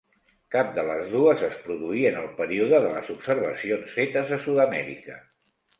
Cap de les dues es produí en el període de les observacions fetes a Sud-amèrica.